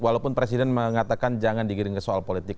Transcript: walaupun presiden mengatakan jangan digiring ke soal politik